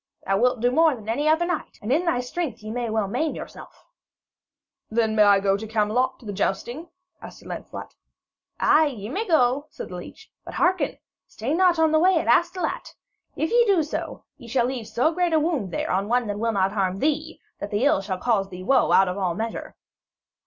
Thou wilt do more than any other knight, and in thy strength ye may well maim yourself.' 'Then I may go to Camelot, to the jousting?' asked Sir Lancelot. 'Ay, ye may go,' said the leech. 'But hearken. Stay not on thy way at Astolat. If ye do so, ye shall leave so great a wound there on one that will not harm thee, that the ill shall cause thee woe out of all measure.'